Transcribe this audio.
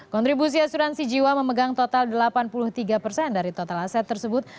kontribusi asuransi jiwa memegang total delapan puluh tiga persen dari total aset tersebut